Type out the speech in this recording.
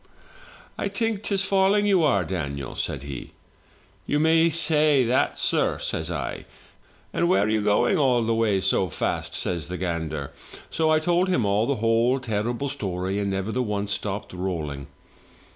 '" 'I think 'tis falling you are, Daniel,' says he. " 'You may say that, sir,' says I. " 'And where are you going all the way so fast?' said the 79 MY BOOK HOUSE gander, so I told him all the whole, terrible story and never the once stopped rolling.